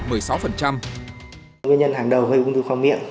nguyên nhân hàng đầu gây ông thư khoang miệng